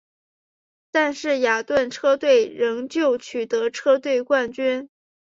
但是雅顿车队仍旧取得车队冠军。